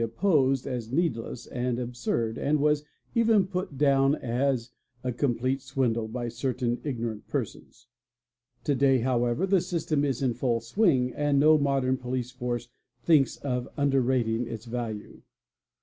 opposed as needless and absurd and was even put down as a comple dl ANTHROPOMETRY 273 "swindle by certain ignorant persons. To day however the system is in full swing and no modern police force thinks of underrating its value.